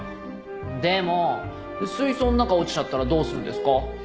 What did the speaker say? でも水槽の中落ちちゃったらどうするんですか？